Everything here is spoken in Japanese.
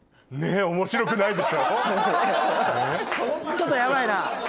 ちょっとヤバいな。